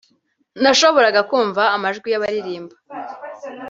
nashoboraga kumva amajwi y’abaririmba